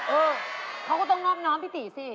เออเขาก็ต้องนอบน้อมพี่ตีสิ